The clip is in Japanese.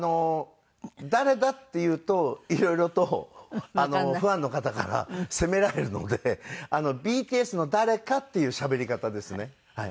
誰だって言うと色々とファンの方から責められるのでＢＴＳの誰かっていうしゃべり方ですね。